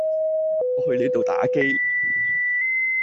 我去你度打機